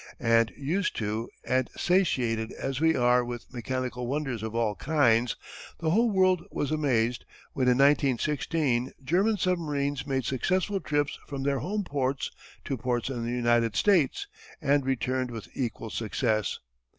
And used to, and satiated as we are with mechanical wonders of all kinds the whole world was amazed when in 1916 German submarines made successful trips from their home ports to ports in the United States and returned with equal success.